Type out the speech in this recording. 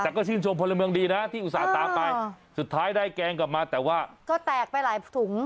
แต่ก็ชื่นชมพลเมืองดีนะที่อุตส่าห์ตามไปแต่ก็แตกไปหลายถุง